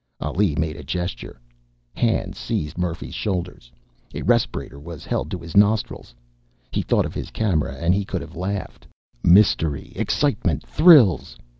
Ali made a gesture. Hands seized Murphy's shoulders. A respirator was held to his nostrils. He thought of his camera, and he could have laughed. Mystery! Excitement! Thrills!